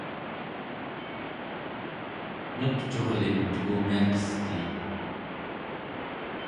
nepcurlim tegumiaqestii